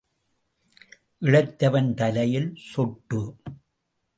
இளைத்தவன் தலையில் சொட்டு.